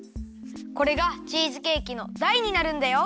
これがチーズケーキのだいになるんだよ。